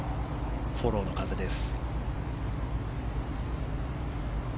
フォローの風です。